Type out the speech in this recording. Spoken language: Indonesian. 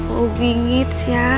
oh bing itz ya